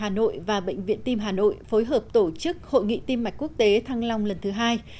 hà nội và bệnh viện tim hà nội phối hợp tổ chức hội nghị tim mạch quốc tế thăng long lần thứ hai